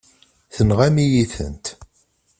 Tenɣam-iyi-tent.